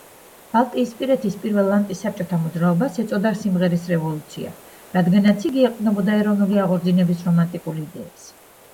ბალტიისპირეთის პირველ ანტისაბჭოთა მოძრაობას ეწოდა სიმღერის რევოლუცია, რადგანაც იგი ეყრდნობოდა ეროვნული აღორძინების რომანტიკულ იდეებს.